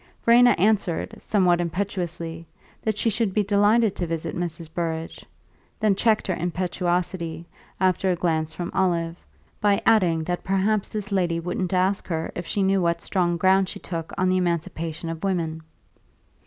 Verena answered, somewhat impetuously, that she should be delighted to visit Mrs. Burrage; then checked her impetuosity, after a glance from Olive, by adding that perhaps this lady wouldn't ask her if she knew what strong ground she took on the emancipation of women.